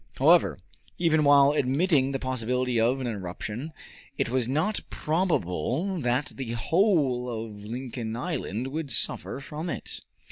However, even while admitting the possibility of an eruption, it was not probable that the whole of Lincoln Island would suffer from it.